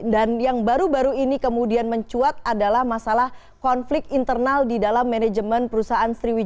dan yang baru baru ini kemudian mencuat adalah masalah konflik internal di dalam manajemen perusahaan